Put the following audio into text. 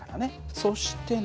そしてね